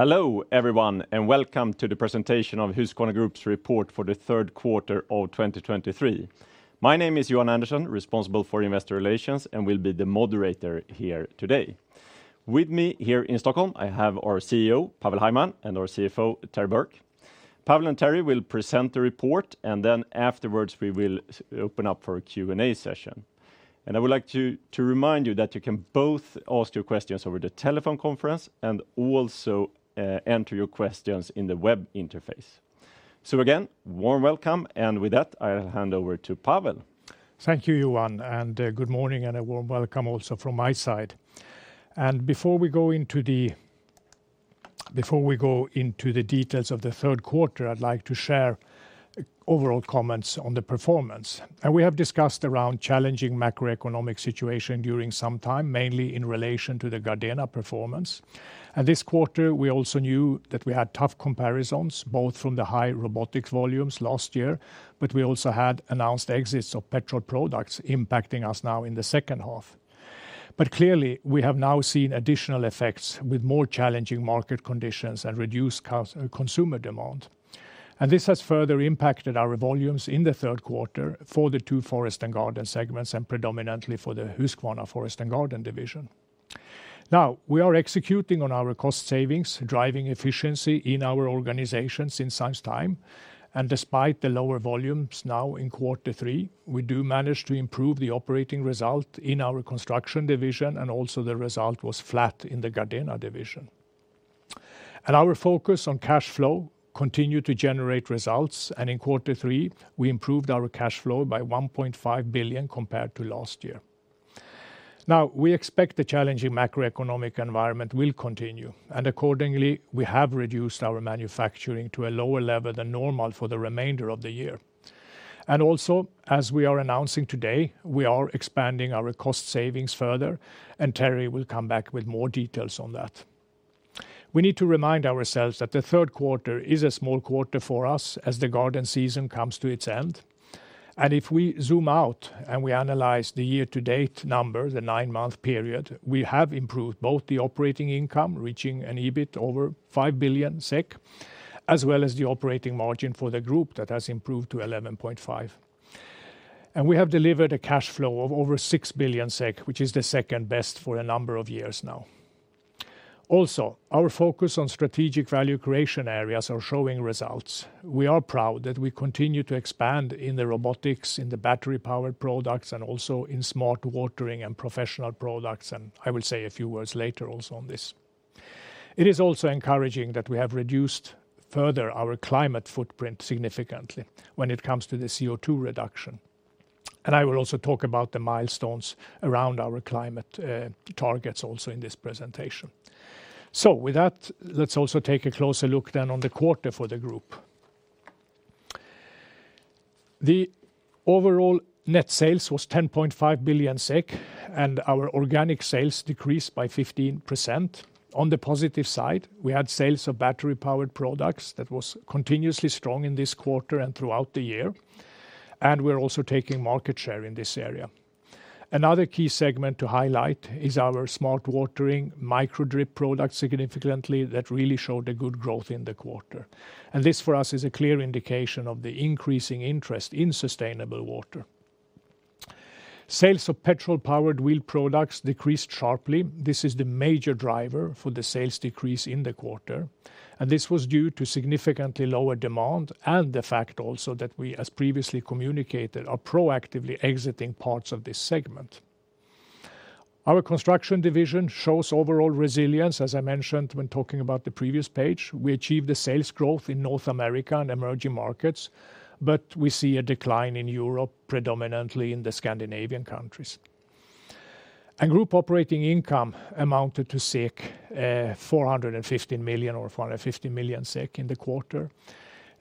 Hello, everyone, and welcome to the presentation of Husqvarna Group's report for the third quarter of 2023. My name is Johan Andersson, responsible for Investor Relations, and will be the moderator here today. With me here in Stockholm, I have our CEO, Pavel Hajman, and our CFO, Terry Burke. Pavel and Terry will present the report, and then afterwards, we will open up for a Q&A session. I would like to remind you that you can both ask your questions over the telephone conference and also enter your questions in the web interface. So again, warm welcome, and with that, I'll hand over to Pavel. Thank you, Johan, and good morning, and a warm welcome also from my side. Before we go into the details of the third quarter, I'd like to share overall comments on the performance. We have discussed around challenging macroeconomic situation during some time, mainly in relation to the Gardena performance. This quarter, we also knew that we had tough comparisons, both from the high robotics volumes last year, but we also had announced exits of petrol products impacting us now in the second half. But clearly, we have now seen additional effects with more challenging market conditions and reduced consumer demand. This has further impacted our volumes in the third quarter for the two Forest & Garden segments, and predominantly for the Husqvarna Forest & Garden Division. Now, we are executing on our cost savings, driving efficiency in our organizations in such time, and despite the lower volumes now in quarter three, we do manage to improve the operating result in our Construction Division, and also the result was flat in the Gardena Division. Our focus on cash flow continued to generate results, and in quarter three, we improved our cash flow by 1.5 billion compared to last year. Now, we expect the challenging macroeconomic environment will continue, and accordingly, we have reduced our manufacturing to a lower level than normal for the remainder of the year. Also, as we are announcing today, we are expanding our cost savings further, and Terry will come back with more details on that. We need to remind ourselves that the third quarter is a small quarter for us as the garden season comes to its end. If we zoom out and we analyze the year-to-date number, the nine-month period, we have improved both the operating income, reaching an EBIT over 5 billion SEK, as well as the operating margin for the group that has improved to 11.5%. We have delivered a cash flow of over 6 billion SEK, which is the second best for a number of years now. Also, our focus on strategic value creation areas are showing results. We are proud that we continue to expand in the robotics, in the battery-powered products, and also in smart watering and professional products, and I will say a few words later also on this. It is also encouraging that we have reduced further our climate footprint significantly when it comes to the CO2 reduction. I will also talk about the milestones around our climate targets also in this presentation. So with that, let's also take a closer look then on the quarter for the group. The overall net sales was 10.5 billion SEK, and our organic sales decreased by 15%. On the positive side, we had sales of battery-powered products that was continuously strong in this quarter and throughout the year, and we're also taking market share in this area. Another key segment to highlight is our smart watering Micro-Drip products, significantly, that really showed a good growth in the quarter. And this, for us, is a clear indication of the increasing interest in sustainable water. Sales of petrol-powered wheeled products decreased sharply. This is the major driver for the sales decrease in the quarter, and this was due to significantly lower demand and the fact also that we, as previously communicated, are proactively exiting parts of this segment. Our Construction Division shows overall resilience, as I mentioned when talking about the previous page. We achieved the sales growth in North America and emerging markets, but we see a decline in Europe, predominantly in the Scandinavian countries. Group operating income amounted to 415 million, or 450 million SEK in the quarter.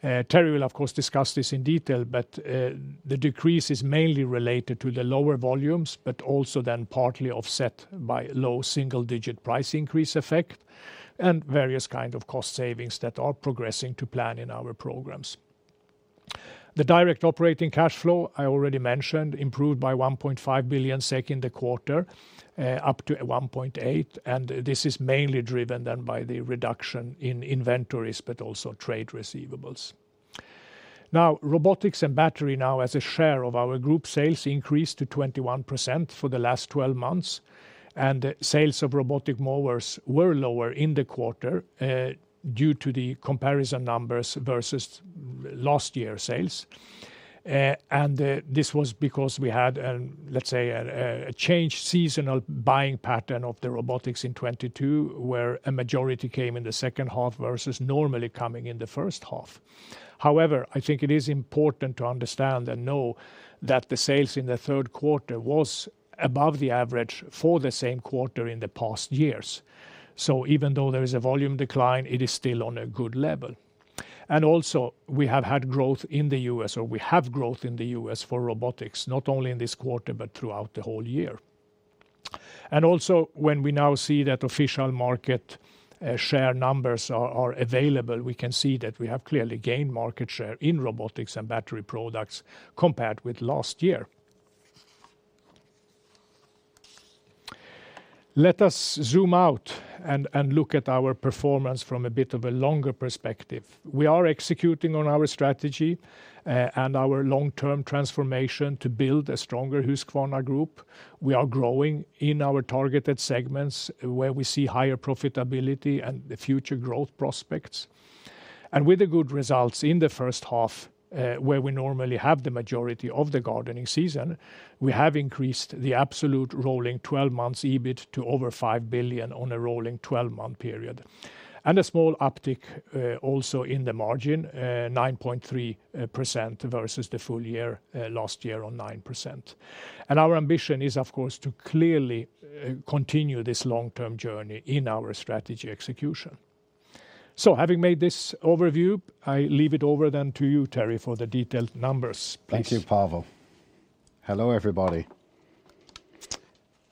Terry will, of course, discuss this in detail, but the decrease is mainly related to the lower volumes, but also then partly offset by low single-digit price increase effect and various kind of cost savings that are progressing to plan in our programs. The direct operating cash flow, I already mentioned, improved by 1.5 billion SEK in the quarter, up to 1.8 billion, and this is mainly driven then by the reduction in inventories, but also trade receivables. Now, robotics and battery now, as a share of our group sales, increased to 21% for the last 12 months, and sales of robotic mowers were lower in the quarter due to the comparison numbers versus last year sales. This was because we had, let's say, a changed seasonal buying pattern of the robotics in 2022, where a majority came in the second half versus normally coming in the first half. However, I think it is important to understand and know that the sales in the third quarter was above the average for the same quarter in the past years. So even though there is a volume decline, it is still on a good level. And also, we have had growth in the U.S., or we have growth in the U.S. for robotics, not only in this quarter, but throughout the whole year. Also when we now see that official market share numbers are available, we can see that we have clearly gained market share in robotics and battery products compared with last year. Let us zoom out and look at our performance from a bit of a longer perspective. We are executing on our strategy and our long-term transformation to build a stronger Husqvarna Group. We are growing in our targeted segments, where we see higher profitability and the future growth prospects. With the good results in the first half, where we normally have the majority of the gardening season, we have increased the absolute rolling twelve months EBIT to over 5 billion on a rolling 12-month period. A small uptick also in the margin, 9.3% versus the full year last year on 9%. And our ambition is, of course, to clearly continue this long-term journey in our strategy execution. So having made this overview, I leave it over then to you, Terry, for the detailed numbers, please. Thank you, Pavel. Hello, everybody.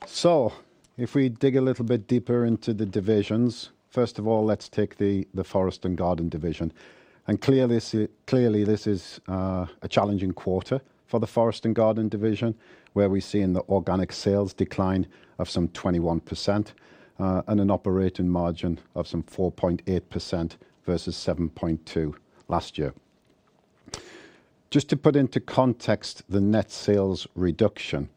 So if we dig a little bit deeper into the divisions, first of all, let's Forest & Garden Division. clearly this is a challenging quarter Forest & Garden Division, where we see an organic sales decline of some 21%, and an operating margin of some 4.8% versus 7.2% last year. Just to put into context the net sales reduction,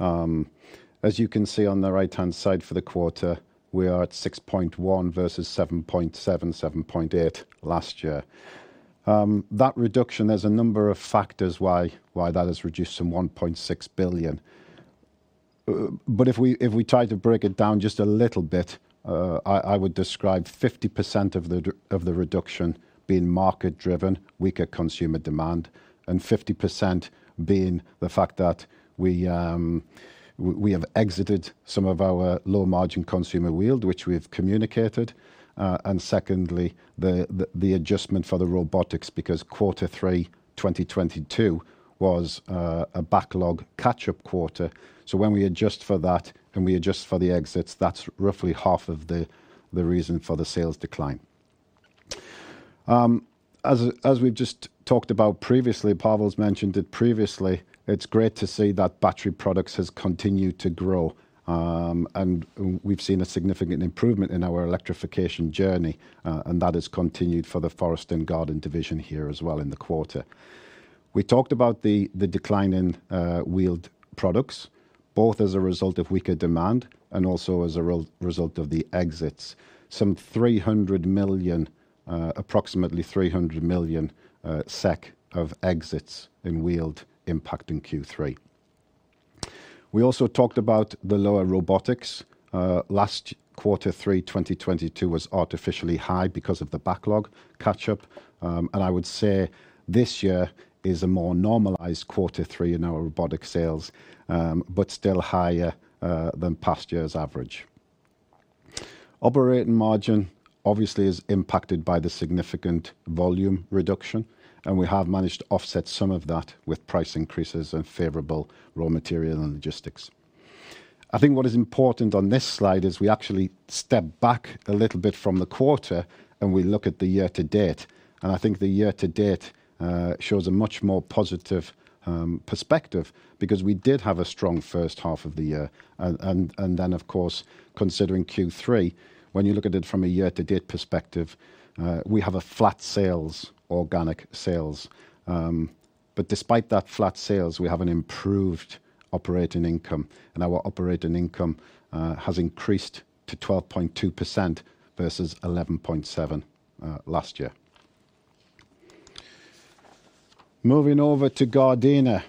as you can see on the right-hand side, for the quarter, we are at 6.1 billion versus 7.7 billion, 7.8 billion last year. That reduction, there's a number of factors why that has reduced some 1.6 billion. But if we try to break it down just a little bit, I would describe 50% of the reduction being market driven, weaker consumer demand, and 50% being the fact that we have exited some of our low-margin consumer wheeled, which we've communicated. And secondly, the adjustment for the robotics, because quarter three, 2022 was a backlog catch-up quarter. So when we adjust for that and we adjust for the exits, that's roughly half of the reason for the sales decline. As we've just talked about previously, Pavel's mentioned it previously, it's great to see that battery products has continued to grow. And we've seen a significant improvement in our electrification journey, and that has continued Forest & Garden Division here as well in the quarter. We talked about the decline in wheeled products, both as a result of weaker demand and also as a result of the exits. Some 300 million, approximately 300 million SEK of exits in wheeled, impacting Q3. We also talked about the lower robotics. Last Q3 2022 was artificially high because of the backlog catch-up. And I would say this year is a more normalized Q3 in our robotic sales, but still higher than past year's average. Operating margin obviously is impacted by the significant volume reduction, and we have managed to offset some of that with price increases and favorable raw material and logistics. I think what is important on this slide is we actually step back a little bit from the quarter, and we look at the year-to-date. I think the year-to-date shows a much more positive perspective because we did have a strong first half of the year. Then, of course, considering Q3, when you look at it from a year-to-date perspective, we have a flat sales, organic sales. But despite that flat sales, we have an improved operating income, and our operating income has increased to 12.2% versus 11.7% last year. Moving over to Gardena.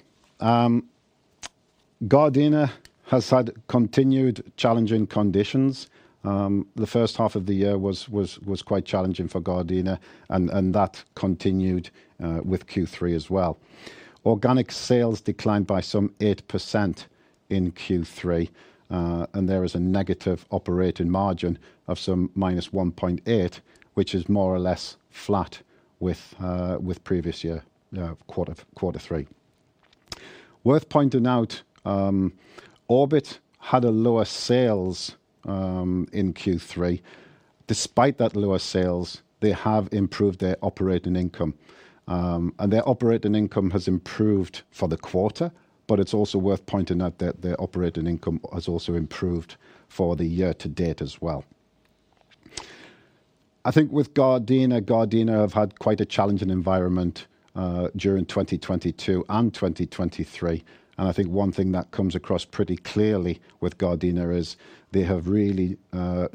Gardena has had continued challenging conditions. The first half of the year was quite challenging for Gardena, and that continued with Q3 as well. Organic sales declined by some 8% in Q3, and there is a negative operating margin of some -1.8%, which is more or less flat with previous year, quarter, quarter three. Worth pointing out, Orbit had a lower sales in Q3. Despite that lower sales, they have improved their operating income, and their operating income has improved for the quarter, but it's also worth pointing out that their operating income has also improved for the year-to-date as well. I think with Gardena, Gardena have had quite a challenging environment during 2022 and 2023, and I think one thing that comes across pretty clearly with Gardena is they have really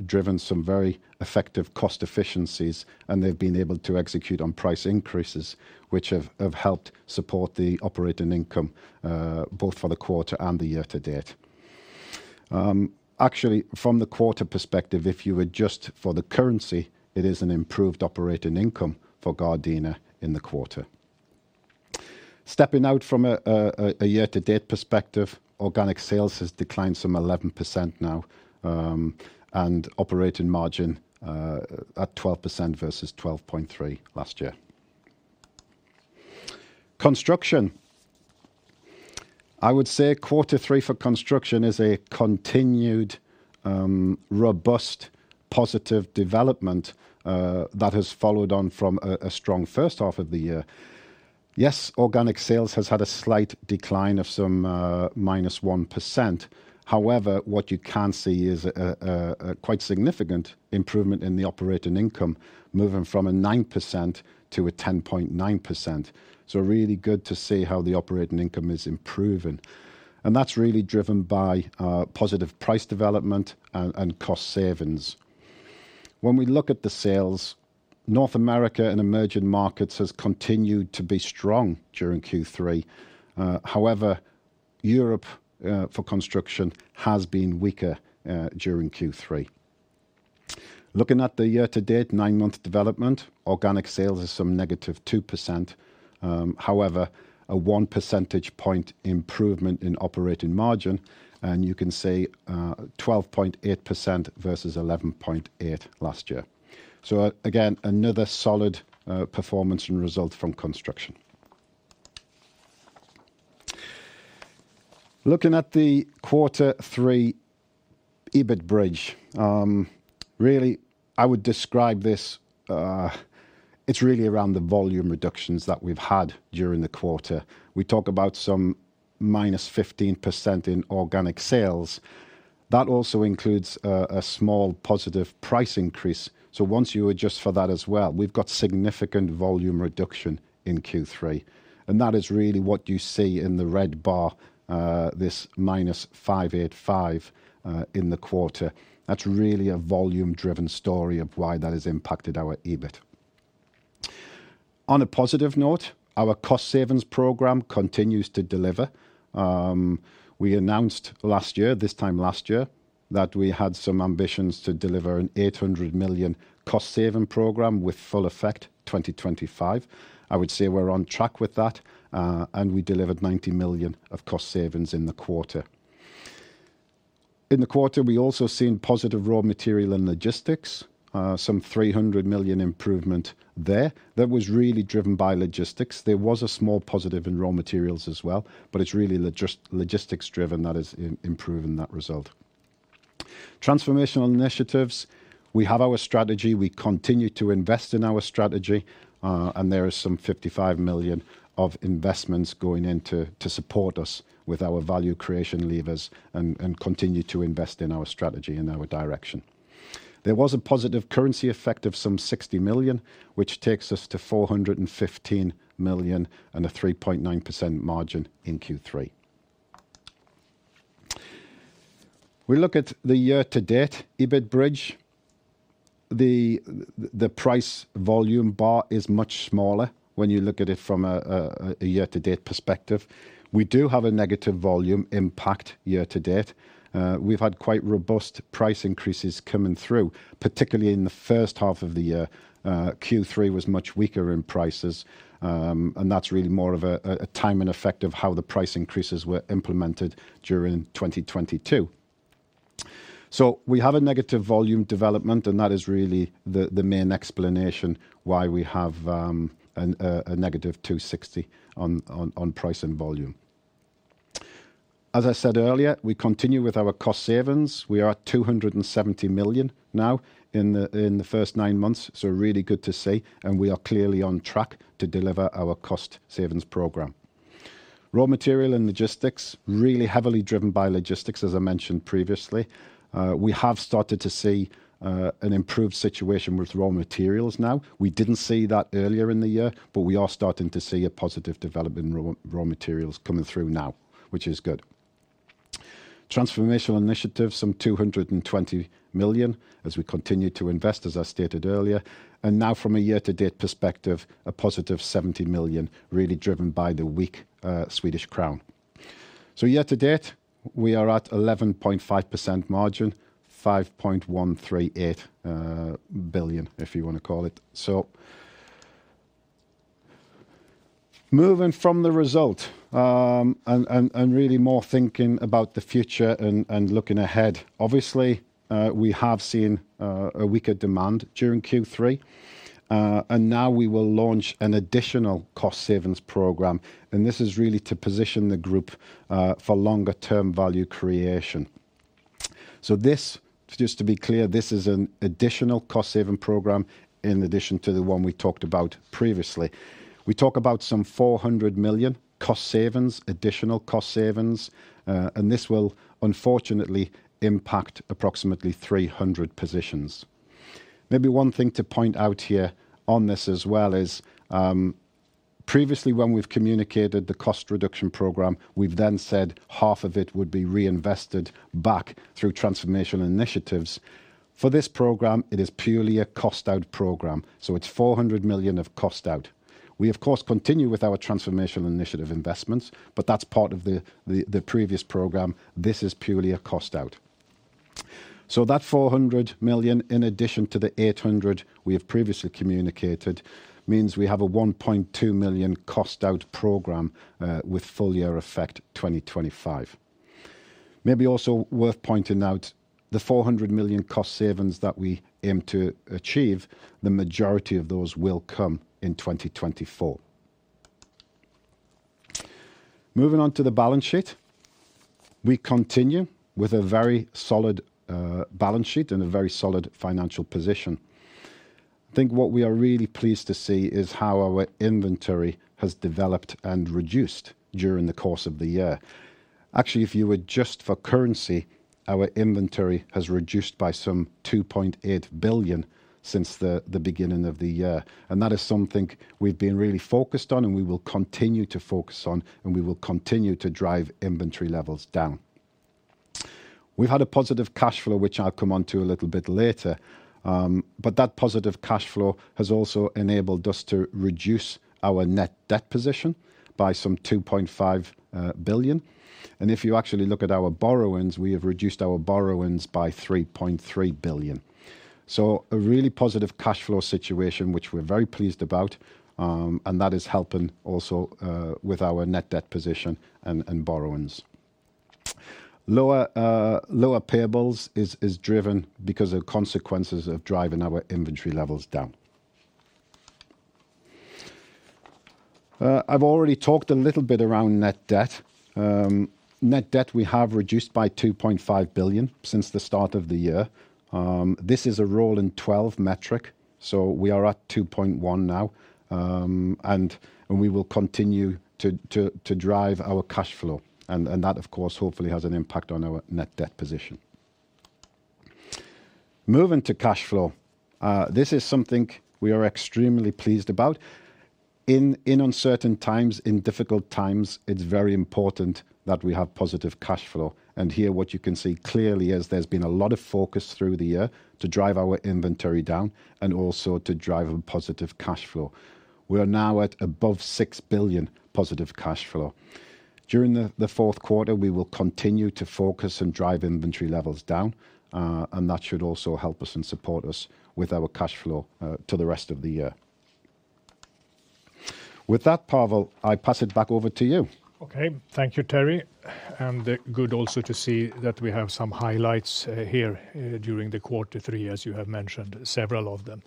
driven some very effective cost efficiencies, and they've been able to execute on price increases, which have helped support the operating income both for the quarter and the year-to-date. Actually, from the quarter perspective, if you adjust for the currency, it is an improved operating income for Gardena in the quarter. Stepping out from a year-to-date perspective, organic sales has declined some 11% now, and operating margin at 12% versus 12.3% last year. Construction. I would say quarter three for Construction is a continued robust, positive development that has followed on from a strong first half of the year. Yes, organic sales has had a slight decline of some -1%. However, what you can see is a quite significant improvement in the operating income, moving from 9%-10.9%. So really good to see how the operating income is improving, and that's really driven by positive price development and cost savings. When we look at the sales, North America and emerging markets has continued to be strong during Q3. However, Europe for Construction has been weaker during Q3. Looking at the year-to-date nine-month development, organic sales is some -2%. However, a 1 percentage point improvement in operating margin, and you can see 12.8% versus 11.8% last year. So again, another solid performance and result from Construction. Looking at the quarter three EBIT bridge, really, I would describe this. It's really around the volume reductions that we've had during the quarter. We talk about some -15% in organic sales. That also includes a small positive price increase, so once you adjust for that as well, we've got significant volume reduction in Q3, and that is really what you see in the red bar, this -585 in the quarter. That's really a volume-driven story of why that has impacted our EBIT. On a positive note, our cost savings program continues to deliver. We announced last year, this time last year, that we had some ambitions to deliver a 800 million cost-saving program with full effect 2025. I would say we're on track with that, and we delivered 90 million of cost savings in the quarter. In the quarter, we also seen positive raw material and logistics, some 300 million improvement there. That was really driven by logistics. There was a small positive in raw materials as well, but it's really logistics driven that is improving that result. Transformational initiatives. We have our strategy, we continue to invest in our strategy, and there is some 55 million of investments going in to, to support us with our value creation levers and, and continue to invest in our strategy and our direction. There was a positive currency effect of some 60 million, which takes us to 415 million and a 3.9% margin in Q3. We look at the year-to-date EBIT bridge. The price volume bar is much smaller when you look at it from a year-to-date perspective. We do have a negative volume impact year to date. We've had quite robust price increases coming through, particularly in the first half of the year. Q3 was much weaker in prices, and that's really more of a timing effect of how the price increases were implemented during 2022. So we have a negative volume development, and that is really the main explanation why we have a negative 260 on price and volume. As I said earlier, we continue with our cost savings. We are at 270 million now in the first nine months, so really good to see, and we are clearly on track to deliver our cost savings program. Raw material and logistics, really heavily driven by logistics, as I mentioned previously. We have started to see an improved situation with raw materials now. We didn't see that earlier in the year, but we are starting to see a positive development in raw materials coming through now, which is good. Transformational initiatives, 200 million, as we continue to invest, as I stated earlier, and now from a year-to-date perspective, a positive 70 million really driven by the weak Swedish crown. So year to date, we are at 11.5% margin, 5.138 billion, if you want to call it. So, moving from the result, and really more thinking about the future and looking ahead, obviously, we have seen a weaker demand during Q3. Now we will launch an additional cost savings program, and this is really to position the group for longer term value creation. So this, just to be clear, this is an additional cost-saving program in addition to the one we talked about previously. We talk about some 400 million cost savings, additional cost savings, and this will unfortunately impact approximately 300 positions. Maybe one thing to point out here on this as well is, previously when we've communicated the cost reduction program, we've then said half of it would be reinvested back through transformational initiatives. For this program, it is purely a cost out program, so it's 400 million of cost out. We, of course, continue with our transformational initiative investments, but that's part of the previous program. This is purely a cost out. So that 400 million, in addition to the 800 million we have previously communicated, means we have a 1.2 million cost out program, with full year effect, 2025. Maybe also worth pointing out, the 400 million cost savings that we aim to achieve, the majority of those will come in 2024. Moving on to the balance sheet. We continue with a very solid balance sheet and a very solid financial position. I think what we are really pleased to see is how our inventory has developed and reduced during the course of the year. Actually, if you adjust for currency, our inventory has reduced by some 2.8 billion since the beginning of the year, and that is something we've been really focused on, and we will continue to focus on, and we will continue to drive inventory levels down. We've had a positive cash flow, which I'll come onto a little bit later, but that positive cash flow has also enabled us to reduce our net debt position by some 2.5 billion. And if you actually look at our borrowings, we have reduced our borrowings by 3.3 billion. So a really positive cash flow situation, which we're very pleased about, and that is helping also with our net debt position and, and borrowings. Lower, lower payables is, is driven because of consequences of driving our inventory levels down. I've already talked a little bit around net debt. Net debt we have reduced by 2.5 billion since the start of the year. This is a rolling 12-month metric, so we are at 2.1 billion now. And we will continue to drive our cash flow, and that, of course, hopefully has an impact on our net debt position. Moving to cash flow. This is something we are extremely pleased about. In uncertain times, in difficult times, it's very important that we have positive cash flow. And here, what you can see clearly is there's been a lot of focus through the year to drive our inventory down and also to drive a positive cash flow. We are now at above 6 billion positive cash flow. During the fourth quarter, we will continue to focus and drive inventory levels down, and that should also help us and support us with our cash flow to the rest of the year. With that, Pavel, I pass it back over to you. Okay. Thank you, Terry. And good also to see that we have some highlights here during quarter three, as you have mentioned several of them.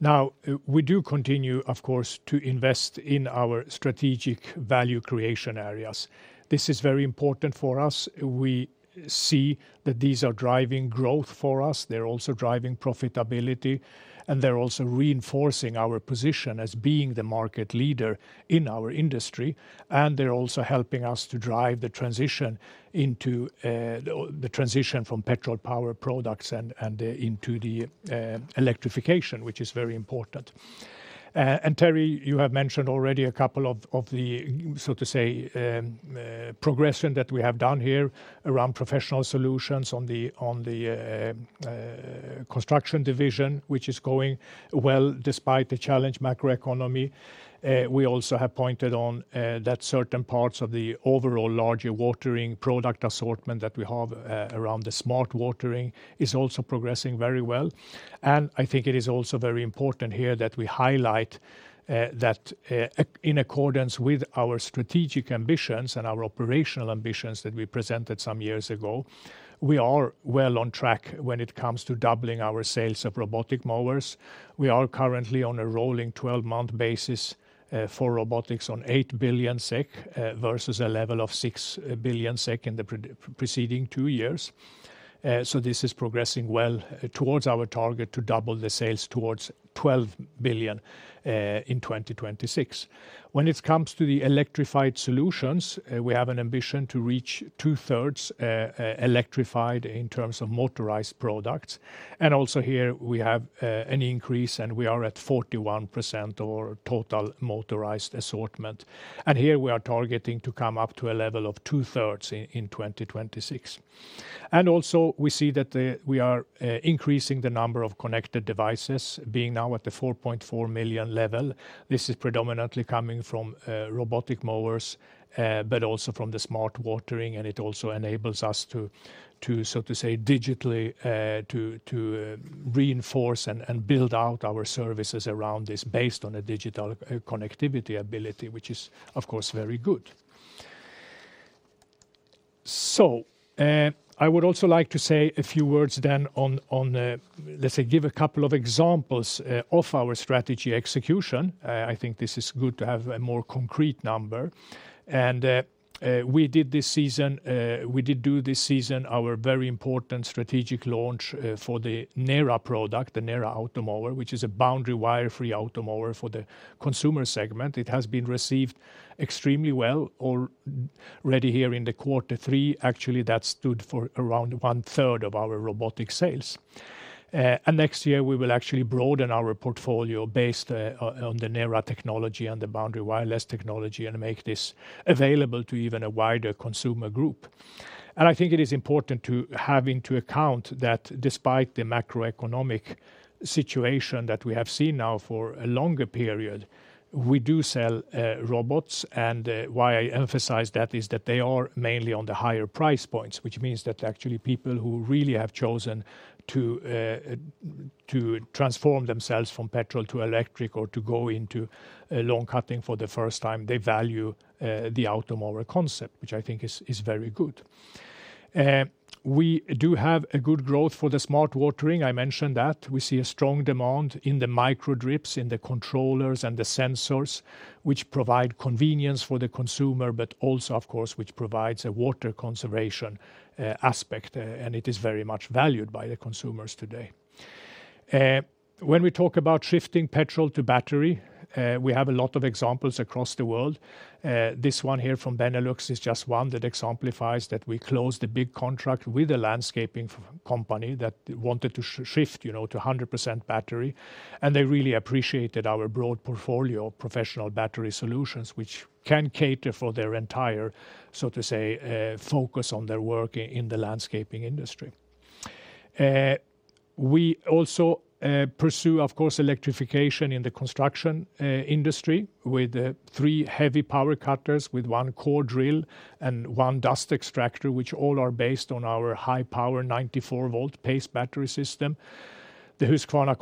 Now, we do continue, of course, to invest in our strategic value creation areas. This is very important for us. We see that these are driving growth for us. They're also driving profitability, and they're also reinforcing our position as being the market leader in our industry, and they're also helping us to drive the transition into the transition from petrol-powered products and into the electrification, which is very important. And Terry, you have mentioned already a couple of the, so to say, progression that we have done here around professional solutions on the Construction Division, which is going well despite the challenged macroeconomy. We also have pointed on that certain parts of the overall larger watering product assortment that we have around the smart watering is also progressing very well. And I think it is also very important here that we highlight that in accordance with our strategic ambitions and our operational ambitions that we presented some years ago, we are well on track when it comes to doubling our sales of robotic mowers. We are currently on a rolling12-month basis for robotics on 8 billion SEK versus a level of 6 billion SEK in the preceding two years. So this is progressing well towards our target to double the sales towards 12 billion in 2026. When it comes to the electrified solutions, we have an ambition to reach 2/3 electrified in terms of motorized products. And also here, we have an increase, and we are at 41% over total motorized assortment. And here, we are targeting to come up to a level of 2/3 in 2026. And also, we see that we are increasing the number of connected devices, being now at the 4.4 million level. This is predominantly coming from robotic mowers, but also from the smart watering, and it also enables us to so to say digitally reinforce and build out our services around this, based on a digital connectivity ability, which is, of course, very good. So, I would also like to say a few words then on the... Let's say, give a couple of examples of our strategy execution. I think this is good to have a more concrete number. And we did do this season our very important strategic launch for the NERA product, the NERA Automower, which is a boundary wire-free Automower for the consumer segment. It has been received extremely well. Already here in quarter three, actually, that stood for around one-third of our robotic sales. And next year, we will actually broaden our portfolio based on the NERA technology and the boundary wireless technology, and make this available to even a wider consumer group. And I think it is important to have into account that despite the macroeconomic situation that we have seen now for a longer period, we do sell robots. Why I emphasize that is that they are mainly on the higher price points, which means that actually people who really have chosen to to transform themselves from petrol to electric, or to go into lawn cutting for the first time, they value the Automower concept, which I think is very good. We do have a good growth for the smart watering. I mentioned that. We see a strong demand in the Micro-Drips, in the controllers, and the sensors, which provide convenience for the consumer, but also, of course, which provides a water conservation aspect, and it is very much valued by the consumers today. When we talk about shifting petrol to battery, we have a lot of examples across the world. This one here from Benelux is just one that exemplifies that we closed a big contract with a landscaping company that wanted to shift, you know, to 100% battery, and they really appreciated our broad portfolio of professional battery solutions, which can cater for their entire, so to say, focus on their work in the landscaping industry. We also pursue, of course, electrification in the construction industry with three heavy power cutters, with one core drill, and one dust extractor, which all are based on our high-power 94-volt PACE battery system. The Husqvarna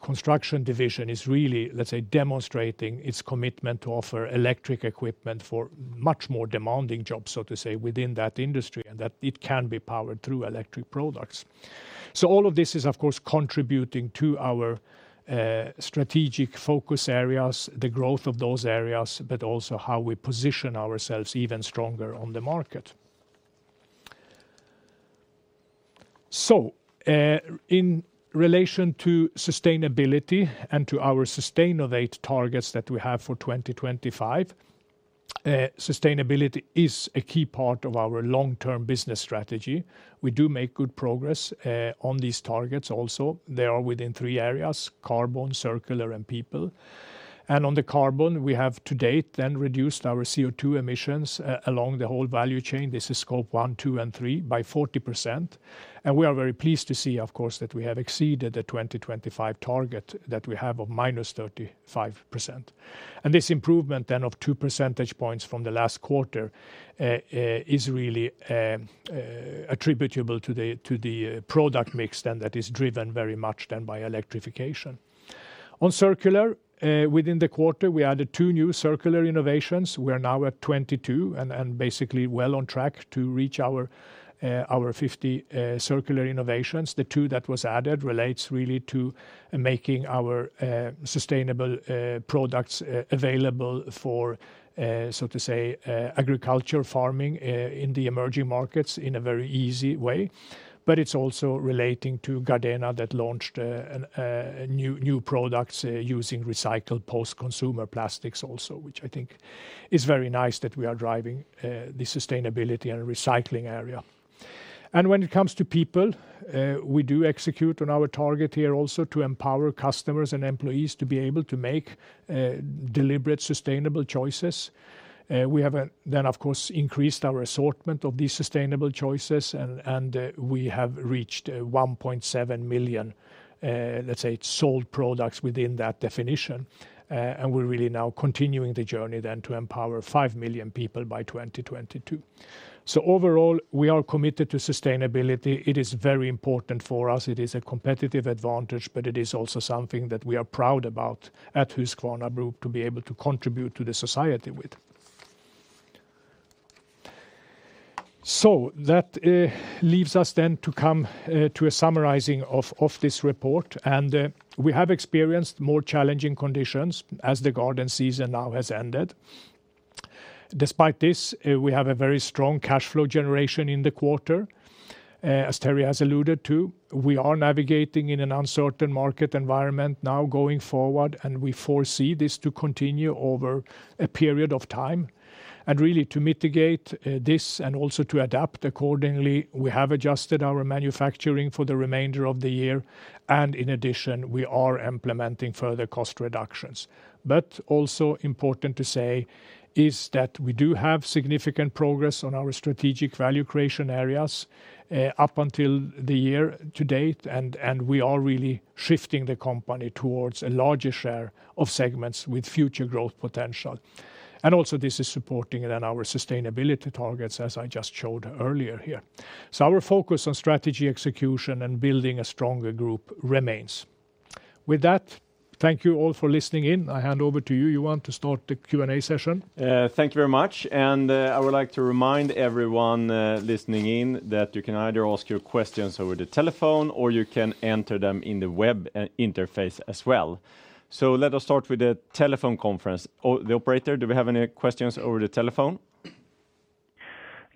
Construction Division is really, let's say, demonstrating its commitment to offer electric equipment for much more demanding jobs, so to say, within that industry, and that it can be powered through electric products. So all of this is, of course, contributing to our strategic focus areas, the growth of those areas, but also how we position ourselves even stronger on the market. So, in relation to sustainability and to our Sustainovate targets that we have for 2025, sustainability is a key part of our long-term business strategy. We do make good progress on these targets also. They are within three areas: carbon, circular, and people. And on the carbon, we have, to date, then reduced our CO2 emissions along the whole value chain, this is Scope 1, 2, and 3, by 40%, and we are very pleased to see, of course, that we have exceeded the 2025 target that we have of -35%. This improvement, then, of 2 percentage points from the last quarter is really attributable to the product mix, then, that is driven very much then by electrification. On circular, within the quarter, we added two new circular innovations. We are now at 22 and basically well on track to reach our 50 circular innovations. The two that was added relates really to making our sustainable products available for so to say agriculture farming in the emerging markets in a very easy way. But it's also relating to Gardena, that launched new products using recycled post-consumer plastics also, which I think is very nice that we are driving the sustainability and recycling area. And when it comes to people, we do execute on our target here also to empower customers and employees to be able to make deliberate, sustainable choices. We have then, of course, increased our assortment of these sustainable choices and we have reached 1.7 million, let's say, sold products within that definition. And we're really now continuing the journey then to empower 5 million people by 2022. So overall, we are committed to sustainability. It is very important for us. It is a competitive advantage, but it is also something that we are proud about at Husqvarna Group to be able to contribute to the society with. So that leaves us then to come to a summarizing of this report, and we have experienced more challenging conditions as the garden season now has ended. Despite this, we have a very strong cash flow generation in the quarter. As Terry has alluded to, we are navigating in an uncertain market environment now going forward, and we foresee this to continue over a period of time. Really, to mitigate this and also to adapt accordingly, we have adjusted our manufacturing for the remainder of the year, and in addition, we are implementing further cost reductions. But also important to say is that we do have significant progress on our strategic value creation areas up until the year to date, and we are really shifting the company towards a larger share of segments with future growth potential. Also, this is supporting then our sustainability targets, as I just showed earlier here. So our focus on strategy execution and building a stronger group remains. With that, thank you all for listening in. I hand over to you, Johan, to start the Q&A session. Thank you very much, and I would like to remind everyone listening in that you can either ask your questions over the telephone, or you can enter them in the web interface as well. So let us start with the telephone conference. Oh, the operator, do we have any questions over the telephone?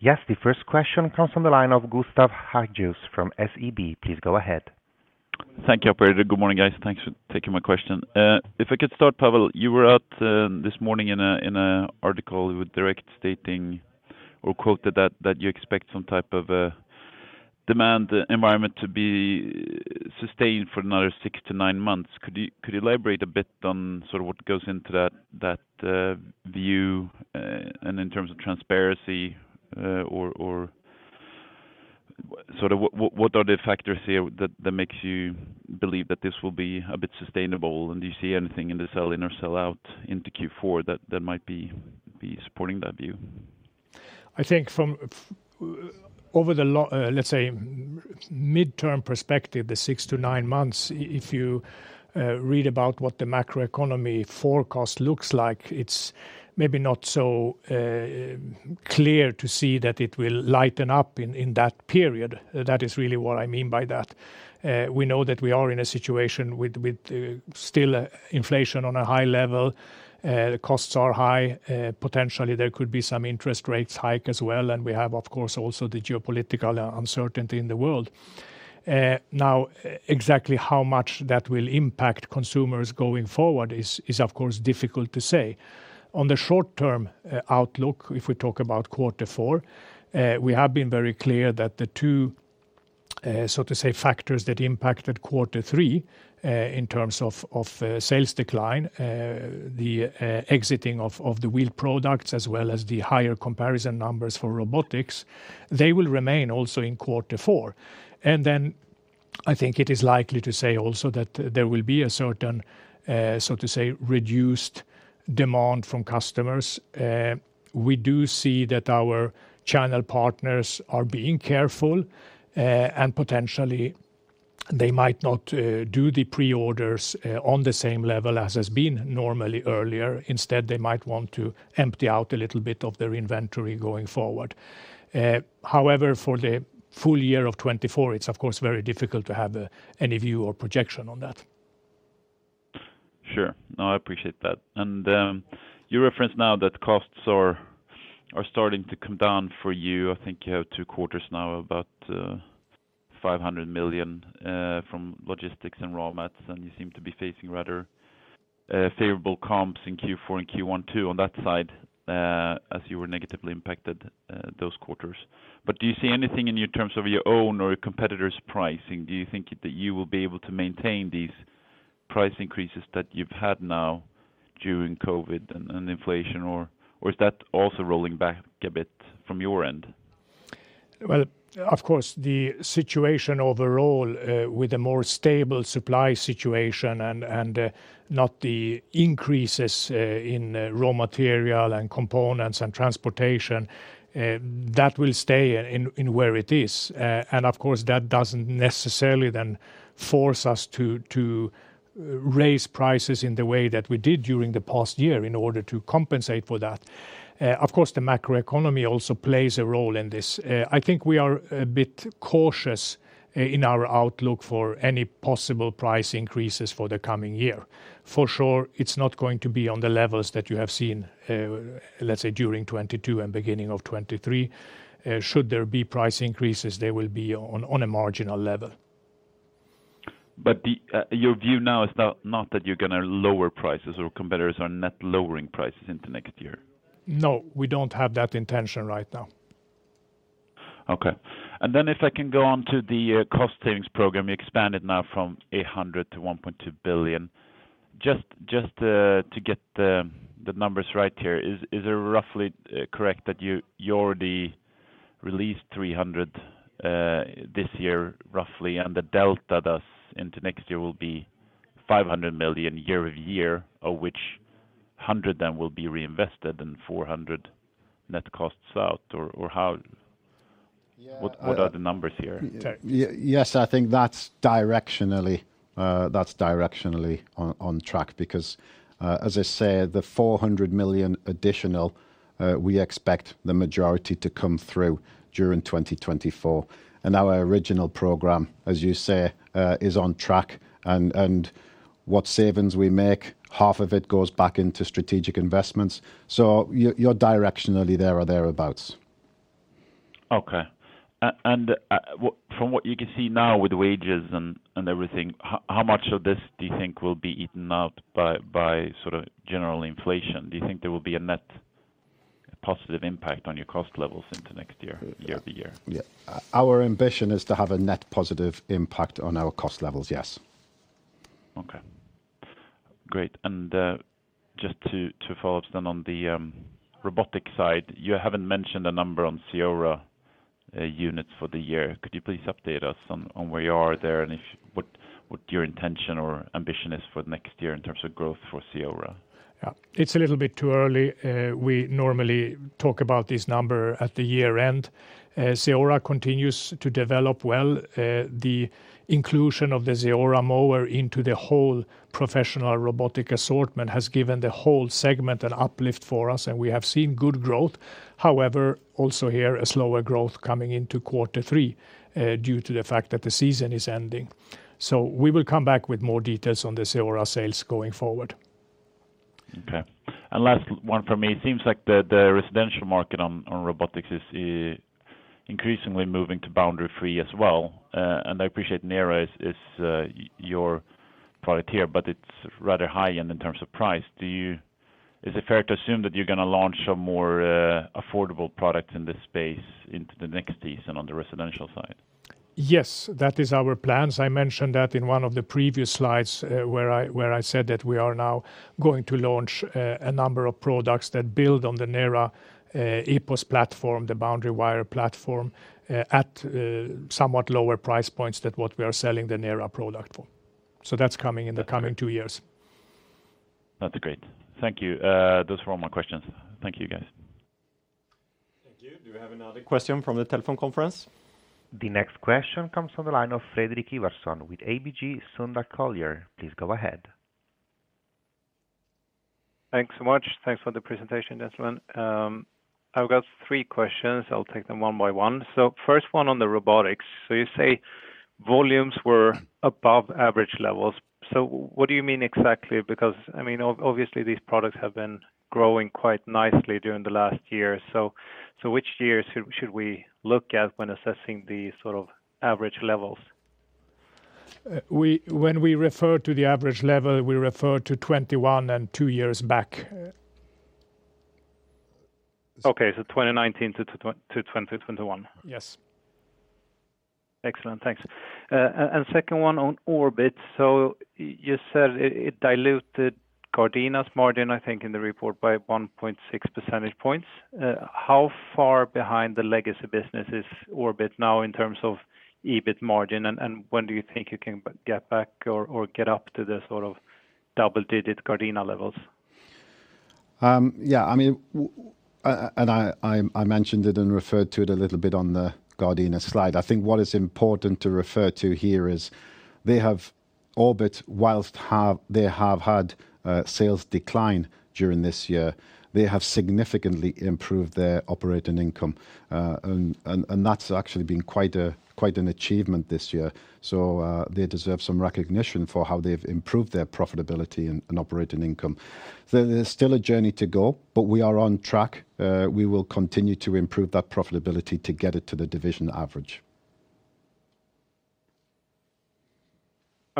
Yes, the first question comes from the line of Gustav Hagéus from SEB. Please go ahead. Thank you, operator. Good morning, guys. Thanks for taking my question. If I could start, Pavel, you were out this morning in an article with Dagens industri stating or quoted that you expect some type of a demand environment to be sustained for another six to nine months. Could you elaborate a bit on sort of what goes into that view, and in terms of transparency, or sort of what are the factors here that makes you believe that this will be a bit sustainable? And do you see anything in the sell in or sell out into Q4 that might be supporting that view? I think from over the, let's say, midterm perspective, the six to nine months, if you read about what the macroeconomy forecast looks like, it's maybe not so clear to see that it will lighten up in that period. That is really what I mean by that. We know that we are in a situation with still inflation on a high level. The costs are high. Potentially there could be some interest rates hike as well, and we have, of course, also the geopolitical uncertainty in the world. Now, exactly how much that will impact consumers going forward is, of course, difficult to say. On the short-term outlook, if we talk about quarter four, we have been very clear that the two, so to say, factors that impacted quarter three in terms of sales decline, the exiting of the wheeled products, as well as the higher comparison numbers for robotics, they will remain also in quarter four. And then I think it is likely to say also that there will be a certain, so to say, reduced demand from customers. We do see that our channel partners are being careful, and potentially they might not do the pre-orders on the same level as has been normally earlier. Instead, they might want to empty out a little bit of their inventory going forward. However, for the full year of 2024, it's, of course, very difficult to have any view or projection on that. Sure. No, I appreciate that. And you referenced now that costs are starting to come down for you. I think you have two quarters now, about 500 million from logistics and raw materials, and you seem to be facing rather favorable comps in Q4 and Q1, too, on that side, as you were negatively impacted those quarters. But do you see anything in terms of your own or your competitors' pricing? Do you think that you will be able to maintain these price increases that you've had now during COVID and inflation, or is that also rolling back a bit from your end? Well, of course, the situation overall, with a more stable supply situation and not the increases in raw material and components and transportation that will stay in where it is. And of course, that doesn't necessarily then force us to raise prices in the way that we did during the past year in order to compensate for that. Of course, the macroeconomy also plays a role in this. I think we are a bit cautious in our outlook for any possible price increases for the coming year. For sure, it's not going to be on the levels that you have seen, let's say, during 2022 and beginning of 2023. Should there be price increases, they will be on a marginal level. But your view now is not, not that you're gonna lower prices or competitors are net lowering prices into next year? No, we don't have that intention right now. Okay. And then if I can go on to the cost savings program, you expand it now from 800 million to 1.2 billion. Just to get the numbers right here, is it roughly correct that you already released 300 million this year, roughly, and the delta, thus, into next year will be 500 million year-over-year, of which 100 million, then, will be reinvested and 400 million net costs out? Or how- Yeah, uh- What are the numbers here? Yes, I think that's directionally, that's directionally on track, because, as I said, the 400 million additional, we expect the majority to come through during 2024. And our original program, as you say, is on track, and what savings we make, half of it goes back into strategic investments. So you're directionally there or thereabouts. Okay. And, from what you can see now with wages and everything, how much of this do you think will be eaten up by sort of general inflation? Do you think there will be a net positive impact on your cost levels into next year, year-to-year? Yeah. Our ambition is to have a net positive impact on our cost levels, yes. Okay. Great. And just to follow up then on the robotic side, you haven't mentioned a number on CEORA units for the year. Could you please update us on where you are there, and if what your intention or ambition is for next year in terms of growth for CEORA? Yeah. It's a little bit too early. We normally talk about this number at the year-end. CEORA continues to develop well. The inclusion of the CEORA mower into the whole professional robotic assortment has given the whole segment an uplift for us, and we have seen good growth. However, also here, a slower growth coming into quarter three, due to the fact that the season is ending. So we will come back with more details on the CEORA sales going forward. Okay. And last one from me: It seems like the residential market on robotics is increasingly moving to boundary-free as well. And I appreciate NERA is your product here, but it's rather high-end in terms of price. Do you. Is it fair to assume that you're gonna launch a more affordable product in this space into the next season on the residential side? Yes, that is our plans. I mentioned that in one of the previous slides, where I said that we are now going to launch a number of products that build on the NERA, EPOS platform, the boundary wire platform, at somewhat lower price points than what we are selling the NERA product for. So that's coming in the coming two years. That's great. Thank you. Those were all my questions. Thank you, guys. Thank you. Do we have another question from the telephone conference? The next question comes from the line of Fredrik Ivarsson with ABG Sundal Collier. Please go ahead. Thanks so much. Thanks for the presentation, gentlemen. I've got three questions. I'll take them one by one. So first one on the robotics: so you say volumes were above average levels. So what do you mean exactly? Because, I mean, obviously, these products have been growing quite nicely during the last year. So which years should we look at when assessing these sort of average levels? When we refer to the average level, we refer to 21 and two years back. Okay, so 2019-2021. Yes. Excellent. Thanks. And second one on Orbit. So you said it diluted Gardena's margin, I think, in the report, by 1.6 percentage points. How far behind the legacy business is Orbit now in terms of EBIT margin? And when do you think you can get back or get up to the sort of double-digit Gardena levels? Yeah, I mean, and I mentioned it and referred to it a little bit on the Gardena slide. I think what is important to refer to here is they have Orbit, while they have had sales decline during this year, they have significantly improved their operating income. And that's actually been quite an achievement this year. So, they deserve some recognition for how they've improved their profitability and operating income. There's still a journey to go, but we are on track. We will continue to improve that profitability to get it to the division average.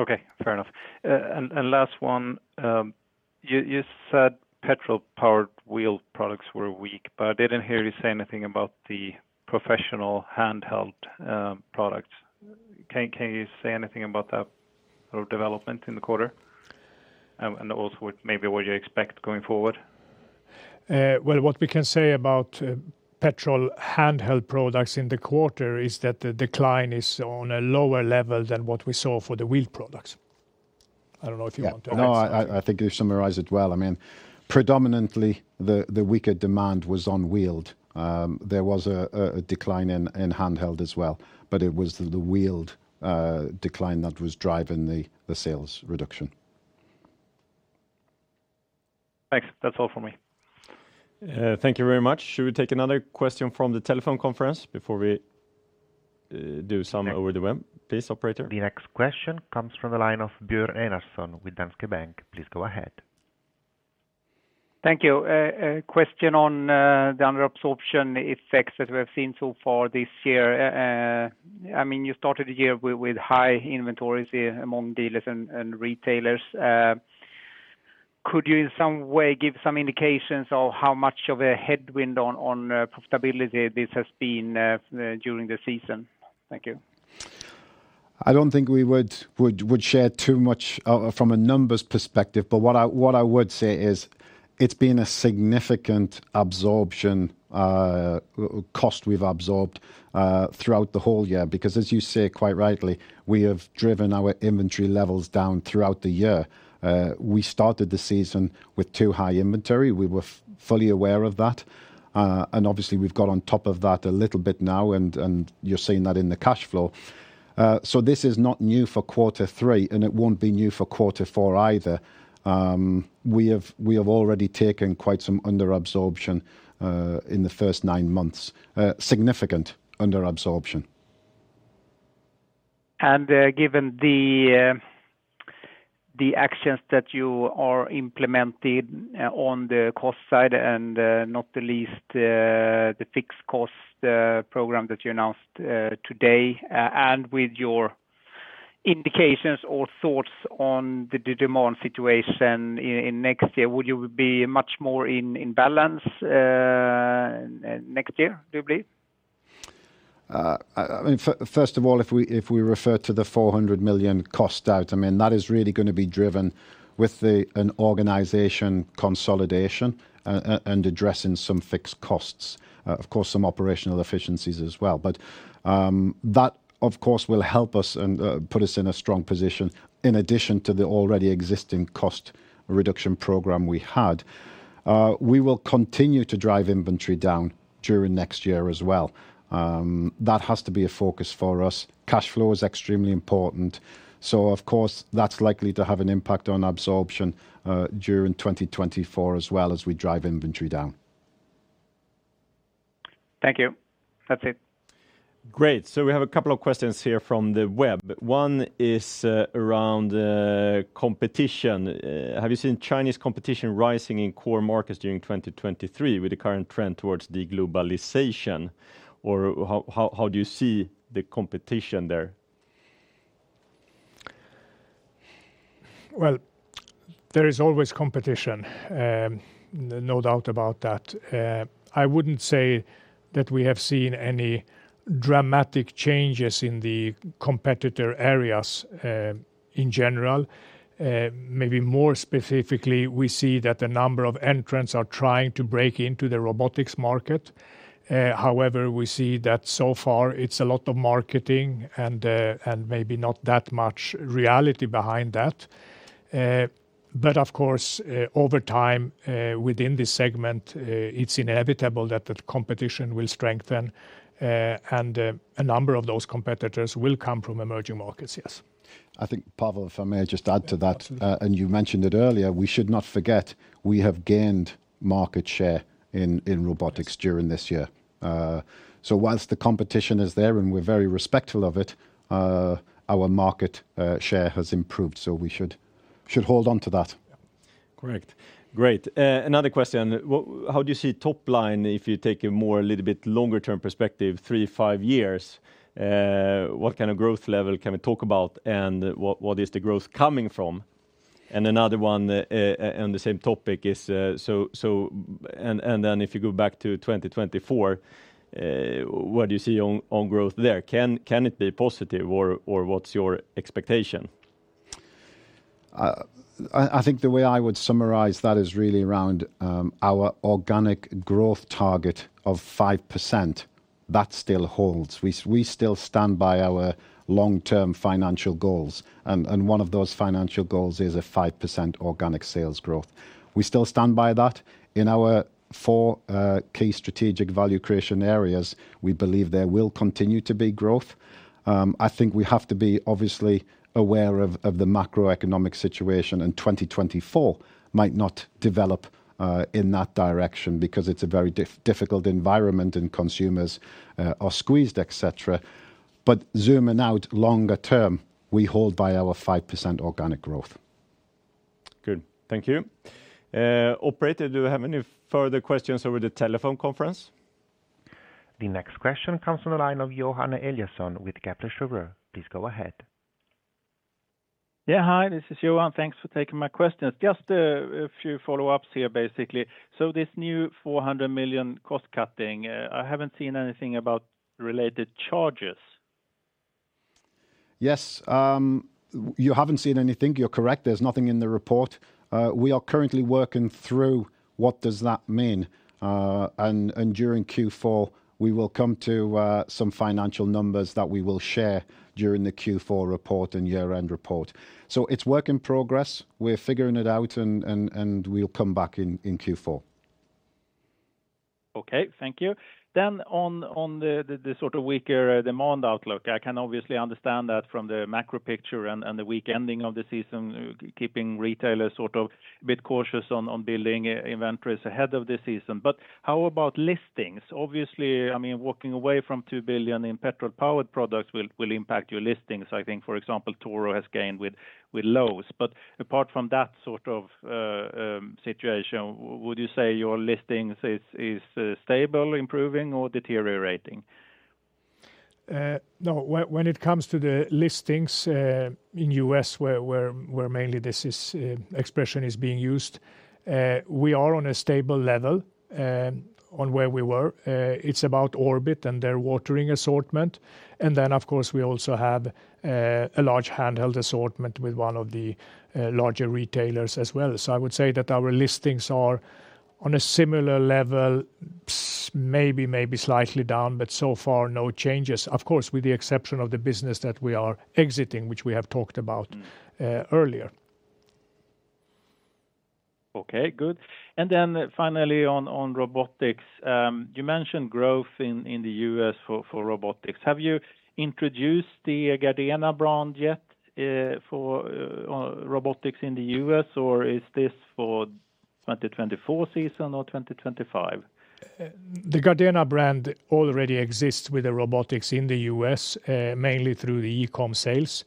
Okay, fair enough. And last one, you said petrol-powered wheeled products were weak, but I didn't hear you say anything about the professional handheld products. Can you say anything about that sort of development in the quarter? And also, what maybe you expect going forward. Well, what we can say about petrol handheld products in the quarter is that the decline is on a lower level than what we saw for the wheeled products. I don't know if you want to add something. Yeah. No, I think you summarized it well. I mean, predominantly, the weaker demand was on wheeled. There was a decline in handheld as well, but it was the wheeled decline that was driving the sales reduction. Thanks. That's all for me. Thank you very much. Should we take another question from the telephone conference before we do some over the web? Please, operator. The next question comes from the line of Björn Enarson with Danske Bank. Please go ahead. Thank you. A question on the under absorption effects that we have seen so far this year. I mean, you started the year with high inventories among dealers and retailers. Could you, in some way, give some indications of how much of a headwind on profitability this has been during the season? Thank you. I don't think we would share too much from a numbers perspective, but what I would say is it's been a significant absorption cost we've absorbed throughout the whole year. Because, as you say, quite rightly, we have driven our inventory levels down throughout the year. We started the season with too high inventory. We were fully aware of that, and obviously we've got on top of that a little bit now, and you're seeing that in the cash flow. So this is not new for quarter three, and it won't be new for quarter four either. We have already taken quite some under absorption in the first nine months, significant under absorption. And, given the actions that you are implementing on the cost side and, not the least, the fixed cost program that you announced today, and with your indications or thoughts on the demand situation in next year, would you be much more in balance next year, do you believe? I mean, first of all, if we, if we refer to the 400 million cost out, I mean, that is really gonna be driven with the an organization consolidation and addressing some fixed costs. Of course, some operational efficiencies as well. But, that, of course, will help us and put us in a strong position, in addition to the already existing cost reduction program we had. We will continue to drive inventory down during next year as well. That has to be a focus for us. Cash flow is extremely important, so of course, that's likely to have an impact on absorption, during 2024, as well as we drive inventory down. Thank you. That's it. Great! So we have a couple of questions here from the web. One is around competition. Have you seen Chinese competition rising in core markets during 2023 with the current trend towards deglobalization, or how, how, how do you see the competition there? Well, there is always competition, no doubt about that. I wouldn't say that we have seen any dramatic changes in the competitor areas, in general. Maybe more specifically, we see that a number of entrants are trying to break into the robotics market. However, we see that so far it's a lot of marketing and, and maybe not that much reality behind that. But of course, over time, within this segment, it's inevitable that the competition will strengthen, and, a number of those competitors will come from emerging markets, yes. I think, Pavel, if I may just add to that, and you mentioned it earlier, we should not forget, we have gained market share in robotics during this year. So while the competition is there, and we're very respectful of it, our market share has improved, so we should hold on to that. Yeah. Correct. Great. Another question, how do you see top line if you take a more, a little bit longer term perspective, three to five years, what kind of growth level can we talk about, and what, what is the growth coming from? And another one, on the same topic is, and then if you go back to 2024, what do you see on, on growth there? Can, can it be positive, or, or what's your expectation? I think the way I would summarize that is really around our organic growth target of 5%. That still holds. We still stand by our long-term financial goals, and one of those financial goals is a 5% organic sales growth. We still stand by that. In our four key strategic value creation areas, we believe there will continue to be growth. I think we have to be obviously aware of the macroeconomic situation, and 2024 might not develop in that direction because it's a very difficult environment and consumers are squeezed, et cetera. But zooming out longer term, we hold by our 5% organic growth. Good. Thank you. Operator, do we have any further questions over the telephone conference? The next question comes from the line of Johan Eliason with Kepler Cheuvreux. Please go ahead. Yeah, hi, this is Johan. Thanks for taking my questions. Just a few follow-ups here, basically. So this new 400 million cost cutting, I haven't seen anything about related charges. Yes, you haven't seen anything. You're correct, there's nothing in the report. We are currently working through what does that mean, and during Q4, we will come to some financial numbers that we will share during the Q4 report and year-end report. So it's work in progress. We're figuring it out, and we'll come back in Q4. Okay, thank you. Then on the sort of weaker demand outlook, I can obviously understand that from the macro picture and the weak ending of the season, keeping retailers sort of a bit cautious on building inventories ahead of the season. But how about listings? Obviously, I mean, walking away from 2 billion in gasoline-powered products will impact your listings. I think, for example, Toro has gained with Lowe's. But apart from that sort of situation, would you say your listings is stable, improving, or deteriorating? No, when it comes to the listings in U.S., where mainly this expression is being used, we are on a stable level on where we were. It's about Orbit and their watering assortment, and then, of course, we also have a large handheld assortment with one of the larger retailers as well. So I would say that our listings are on a similar level, maybe slightly down, but so far, no changes. Of course, with the exception of the business that we are exiting, which we have talked about. Mm... earlier. Okay, good. And then finally, on, on robotics, you mentioned growth in, in the U.S. for, for robotics. Have you introduced the Gardena brand yet, for, for robotics in the U.S., or is this for 2024 season or 2025? The Gardena brand already exists with the robotics in the U.S., mainly through the e-com sales.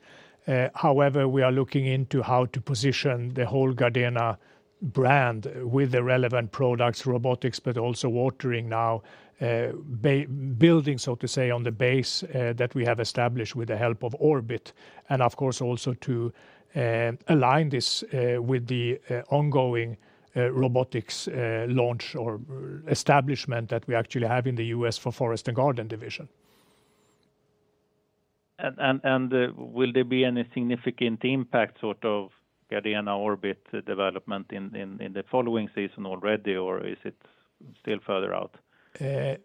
However, we are looking into how to position the whole Gardena brand with the relevant products, robotics, but also watering now, building, so to say, on the base that we have established with the help of Orbit. And of course, also to align this with the ongoing robotics launch or establishment that we actually have in the U.S. for Forest & Garden Division. Will there be any significant impact, sort of, Gardena Orbit development in the following season already, or is it still further out?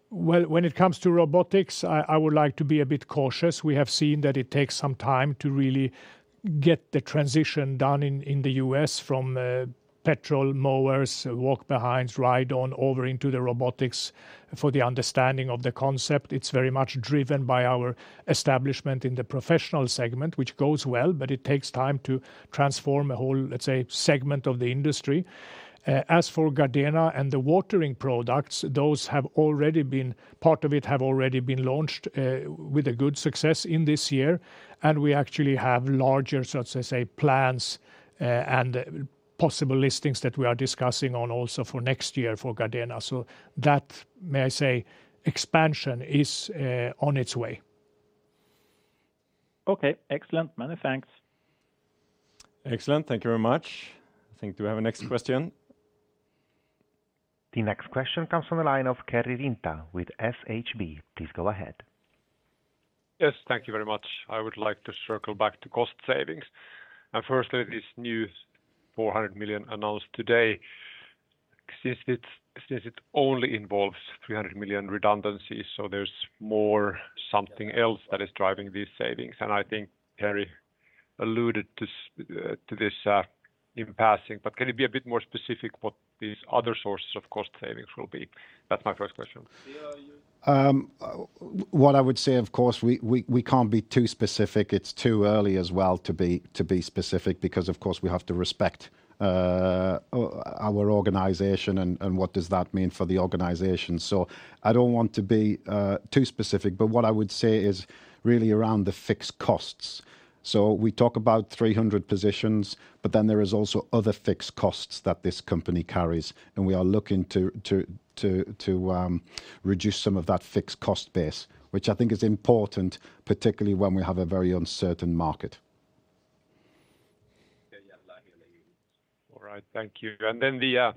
Well, when it comes to robotics, I would like to be a bit cautious. We have seen that it takes some time to really get the transition done in the U.S. from petrol mowers, walk-behinds, ride-on, over into the robotics. For the understanding of the concept, it's very much driven by our establishment in the professional segment, which goes well, but it takes time to transform a whole, let's say, segment of the industry. As for Gardena and the watering products, those have already been—part of it have already been launched with a good success in this year, and we actually have larger, so to say, plans and possible listings that we are discussing on also for next year for Gardena. So that, may I say, expansion is on its way. Okay, excellent. Many thanks. Excellent. Thank you very much. I think, do we have a next question? The next question comes from the line of Karri Rinta with SHB. Please go ahead. Yes, thank you very much. I would like to circle back to cost savings. Firstly, this new 400 million announced today.... since it only involves 300 million redundancies, so there's more something else that is driving these savings. And I think Terry alluded to this in passing, but can you be a bit more specific what these other sources of cost savings will be? That's my first question. What I would say, of course, we can't be too specific. It's too early as well to be specific, because of course, we have to respect our organization and what does that mean for the organization. So I don't want to be too specific, but what I would say is really around the fixed costs. So we talk about 300 positions, but then there is also other fixed costs that this company carries, and we are looking to reduce some of that fixed cost base. Which I think is important, particularly when we have a very uncertain market. All right. Thank you. And then the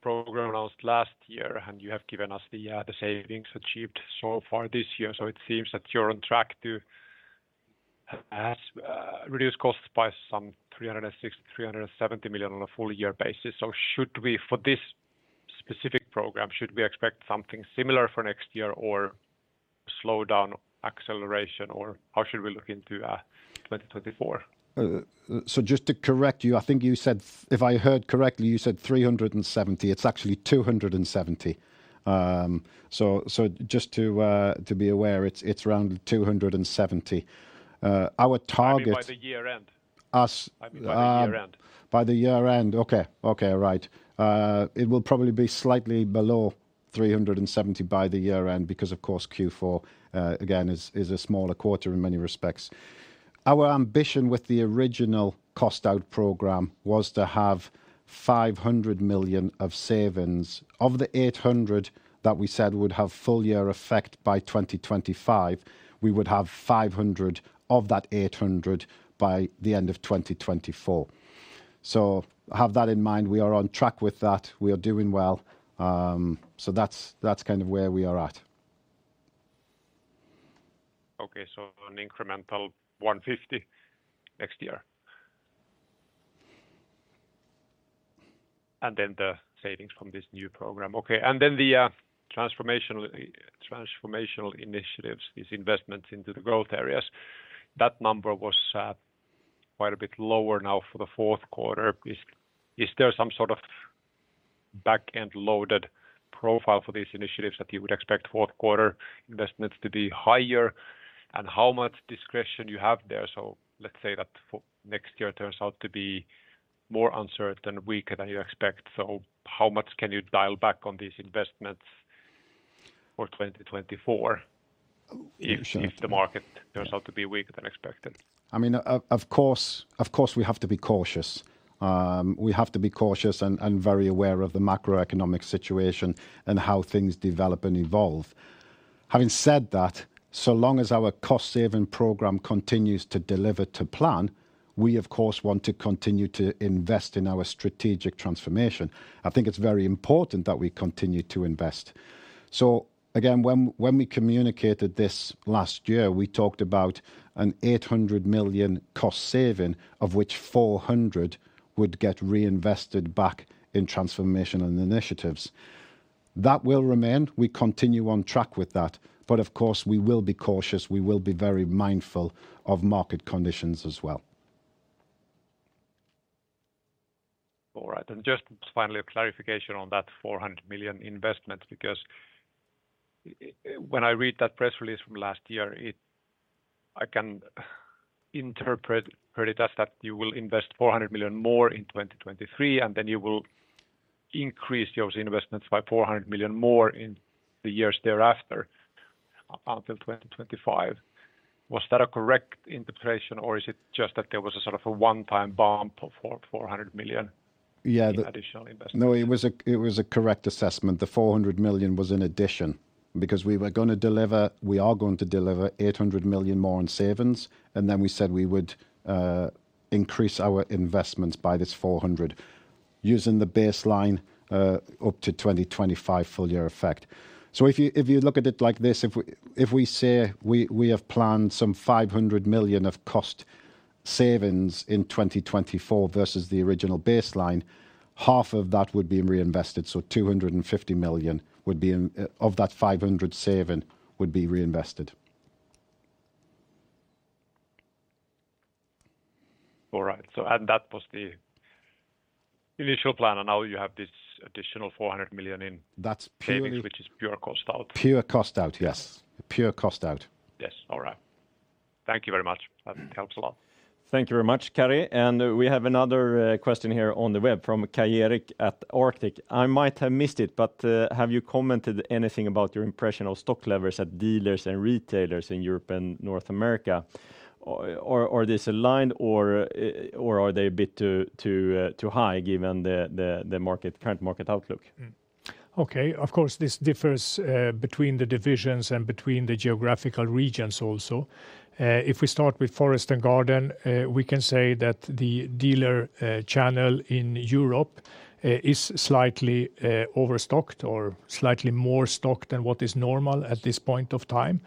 program announced last year, and you have given us the savings achieved so far this year. So it seems that you're on track to reduce costs by some 360 million-370 million on a full year basis. So should we... For this specific program, should we expect something similar for next year or slow down acceleration, or how should we look into 2024? So just to correct you, I think you said, if I heard correctly, you said 370. It's actually 270. So, so just to, to be aware, it's, it's around 270. Our target- I mean, by the year end. Us- By the year end. By the year end. Okay. Okay, right. It will probably be slightly below 370 by the year end, because of course, Q4, again, is, is a smaller quarter in many respects. Our ambition with the original cost-out program was to have 500 million of savings. Of the 800 million that we said would have full year effect by 2025, we would have 500 of that 800 by the end of 2024. So have that in mind, we are on track with that. We are doing well. So that's, that's kind of where we are at. Okay. So on incremental 150 next year. And then the savings from this new program. Okay, and then the transformational initiatives, these investments into the growth areas, that number was quite a bit lower now for the fourth quarter. Is there some sort of back-end loaded profile for these initiatives that you would expect fourth quarter investments to be higher, and how much discretion you have there? So let's say that if next year turns out to be more uncertain, weaker than you expect, so how much can you dial back on these investments for 2024- Sure... if the market turns out to be weaker than expected? I mean, of course, we have to be cautious. We have to be cautious and very aware of the macroeconomic situation and how things develop and evolve. Having said that, so long as our cost-saving program continues to deliver to plan, we of course want to continue to invest in our strategic transformation. I think it's very important that we continue to invest. So again, when we communicated this last year, we talked about an 800 million cost saving, of which 400 million would get reinvested back in transformational initiatives. That will remain. We continue on track with that, but of course, we will be cautious. We will be very mindful of market conditions as well. All right. And just finally, a clarification on that 400 million investment, because when I read that press release from last year, it... I can interpret it as that you will invest 400 million more in 2023, and then you will increase your investments by 400 million more in the years thereafter, until 2025. Was that a correct interpretation, or is it just that there was a sort of a one-time bump of 400 million- Yeah, the- Additional investment? No, it was a correct assessment. The 400 million was in addition, because we were gonna deliver, we are going to deliver 800 million more in savings, and then we said we would increase our investments by this 400 million, using the baseline up to 2025 full year effect. So if you look at it like this, if we say we have planned some 500 million of cost savings in 2024 versus the original baseline, half of that would be reinvested. So 250 million would be of that 500 million saving, would be reinvested. All right. That was the initial plan, and now you have this additional 400 million in- That's purely- savings, which is pure cost out. Pure cost out, yes. Yeah. Pure cost out. Yes. All right. Thank you very much. Mm. That helps a lot. Thank you very much, Karri. And we have another question here on the web from Kai Eric at Arctic. I might have missed it, but have you commented anything about your impression of stock levels at dealers and retailers in Europe and North America? Or, are this aligned or or are they a bit too too too high, given the the the market- current market outlook? Okay. Of course, this differs between the divisions and between the geographical regions also. If we start with Forest & Garden, we can say that the dealer channel in Europe is slightly overstocked or slightly more stocked than what is normal at this point of time.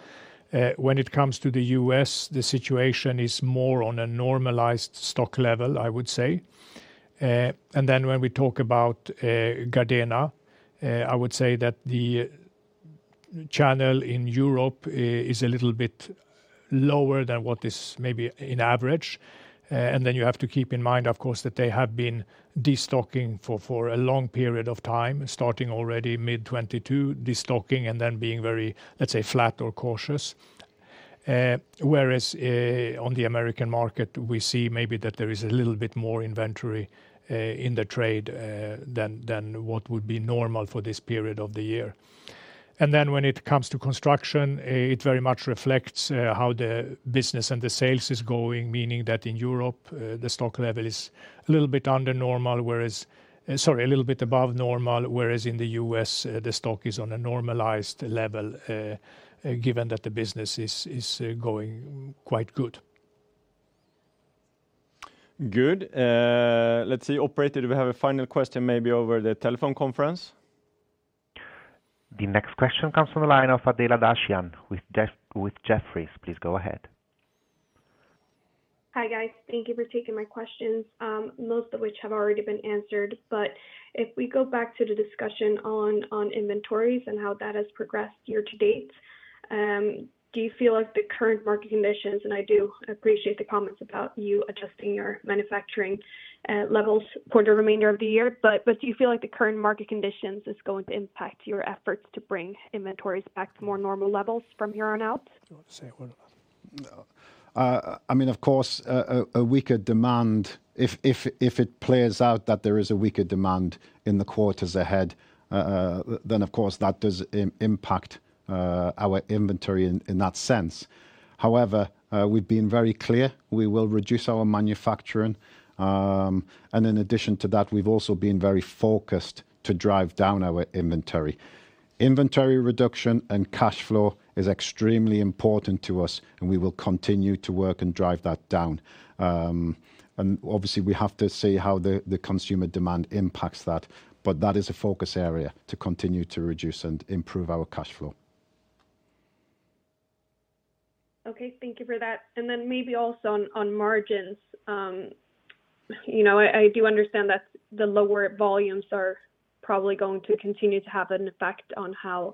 When it comes to the U.S., the situation is more on a normalized stock level, I would say. And then when we talk about Gardena, I would say that the channel in Europe is a little bit lower than what is maybe in average. And then you have to keep in mind, of course, that they have been destocking for a long period of time, starting already mid-2022, destocking, and then being very, let's say, flat or cautious. Whereas, on the American market, we see maybe that there is a little bit more inventory in the trade than what would be normal for this period of the year. And then when it comes to Construction, it very much reflects how the business and the sales is going, meaning that in Europe, the stock level is a little bit above normal, whereas in the U.S., the stock is on a normalized level, given that the business is going quite good. Good. Let's see. Operator, do we have a final question, maybe over the telephone conference? The next question comes from the line of Adela Dashian with Jefferies. Please go ahead. Hi, guys. Thank you for taking my questions, most of which have already been answered. But if we go back to the discussion on inventories and how that has progressed year to date, do you feel like the current market conditions... I do appreciate the comments about you adjusting your manufacturing levels for the remainder of the year. But do you feel like the current market conditions is going to impact your efforts to bring inventories back to more normal levels from here on out? Do you want to say a word about that? I mean, of course, weaker demand, if it plays out that there is a weaker demand in the quarters ahead, then, of course, that does impact our inventory in that sense. However, we've been very clear, we will reduce our manufacturing. And in addition to that, we've also been very focused to drive down our inventory. Inventory reduction and cash flow is extremely important to us, and we will continue to work and drive that down. And obviously, we have to see how the consumer demand impacts that, but that is a focus area, to continue to reduce and improve our cash flow. Okay, thank you for that. And then maybe also on margins. You know, I do understand that the lower volumes are probably going to continue to have an effect on how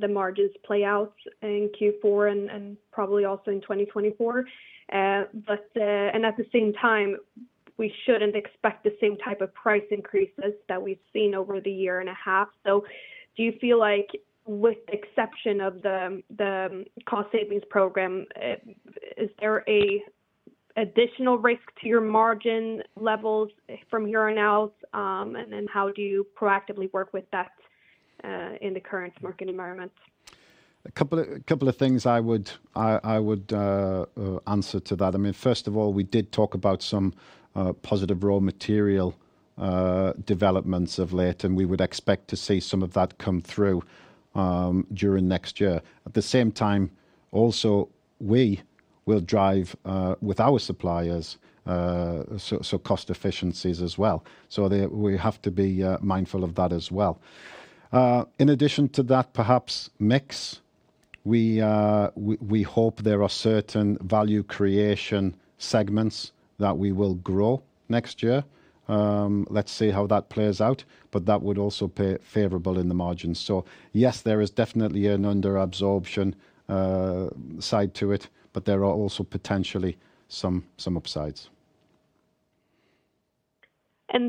the margins play out in Q4 and probably also in 2024. But, and at the same time, we shouldn't expect the same type of price increases that we've seen over the year and a half. So do you feel like, with the exception of the cost savings program, is there an additional risk to your margin levels from here on out? And then how do you proactively work with that in the current market environment? A couple of things I would answer to that. I mean, first of all, we did talk about some positive raw material developments of late, and we would expect to see some of that come through during next year. At the same time, also, we will drive with our suppliers so cost efficiencies as well. So we have to be mindful of that as well. In addition to that, perhaps mix. We hope there are certain value creation segments that we will grow next year. Let's see how that plays out, but that would also play favorable in the margins. So yes, there is definitely an under-absorption side to it, but there are also potentially some upsides.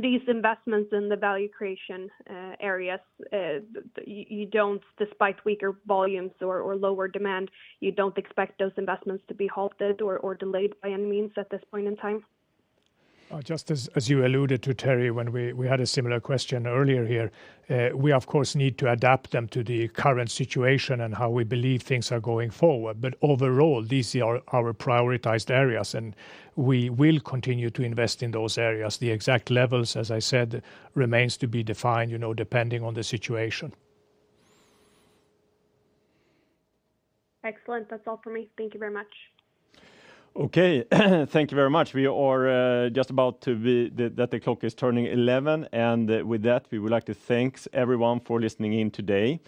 These investments in the value creation areas, you don't... Despite weaker volumes or lower demand, you don't expect those investments to be halted or delayed by any means at this point in time? Just as you alluded to, Terry, when we had a similar question earlier here, we, of course, need to adapt them to the current situation and how we believe things are going forward. But overall, these are our prioritized areas, and we will continue to invest in those areas. The exact levels, as I said, remains to be defined, you know, depending on the situation. Excellent. That's all for me. Thank you very much. Okay. Thank you very much. We are just about to be. The clock is turning eleven, and with that, we would like to thank everyone for listening in today.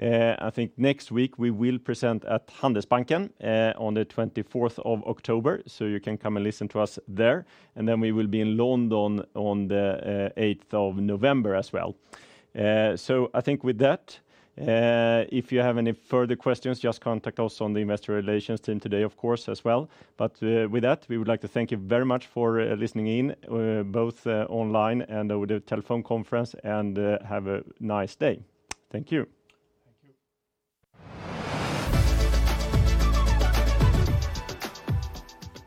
I think next week, we will present at Handelsbanken on the October 24th, so you can come and listen to us there. And then we will be in London on the eighth of November as well. So I think with that, if you have any further questions, just contact us on the Investor Relations team today, of course, as well. But with that, we would like to thank you very much for listening in, both online and over the telephone conference, and have a nice day. Thank you. Thank you.